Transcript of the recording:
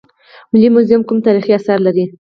ملي موزیم کوم تاریخي اثار لري؟